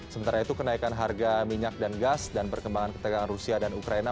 sementara itu kenaikan harga minyak dan gas dan perkembangan ketegangan rusia dan ukraina